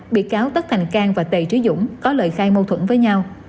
bị cáo tất thành cang và tề trí dũng có lời khai mâu thuẫn với nhau